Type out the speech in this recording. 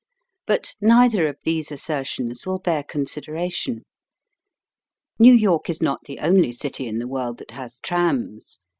But neither of these assertions will bear con sideration. New York is not the only city in the world that has trams.